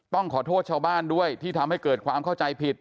ต้องขอโทษชาวบ้านด้วยที่ทำให้เกิดความเข้าใจผิด